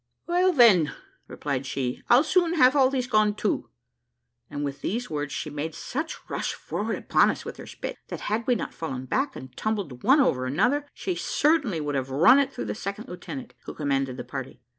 "Well, then," replied she, "I'll soon have all these gone too;" and with these words she made such rush forward upon us with her spit, that had we not fallen back, and tumbled one over another, she certainly would have run it through the second lieutenant, who commanded the party.